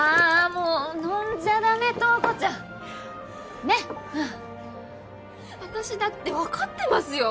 もう飲んじゃダメ塔子ちゃんねっうん私だって分かってますよ